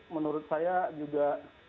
menurut saya juga